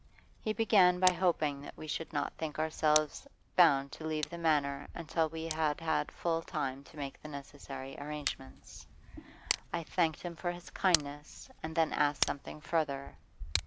He began by hoping that we should not think ourselves hound to leave the Manor until we had had full time to make the necessary arrangements. I thanked him for his kindness, and then asked something further.